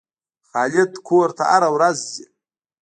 خالد کور ته هره ورځ ځي.